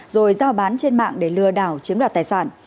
rồi giao bán trên mạng để lừa đảo chiếm đoạt tài sản